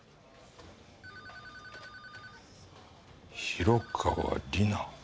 「広川理奈」。